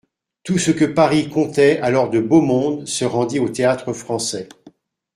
Tout ce que Paris comptait alors de beau monde se rendit au Théâtre-Français.